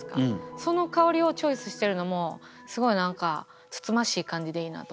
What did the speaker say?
その香りをチョイスしてるのもすごい何かつつましい感じでいいなと思いました。